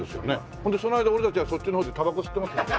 ほんでその間俺たちはそっちのほうでたばこ吸ってますので。